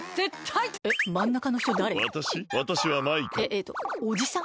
えっとおじさん？